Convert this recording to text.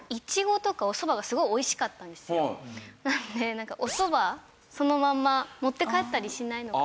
なのでなんかおそばそのまんま持って帰ったりしないのかな。